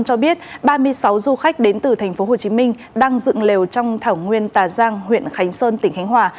cho biết ba mươi sáu du khách đến từ tp hcm đang dựng lều trong thảo nguyên tà giang huyện khánh sơn tỉnh khánh hòa